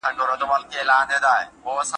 سرخانان غوړې وریجې